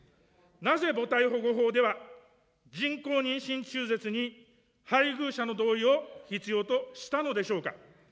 なぜ母体保護法では、人工妊娠中絶に配偶者の同意を必要としたのでしょうか。